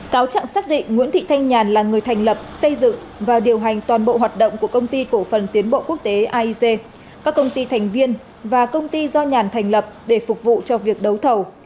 cáo trạng xác định nguyễn thị thanh nhàn là người thành lập xây dựng và điều hành toàn bộ hoạt động của công ty cổ phần tiến bộ quốc tế aic các công ty thành viên và công ty do nhàn thành lập để phục vụ cho việc đấu thầu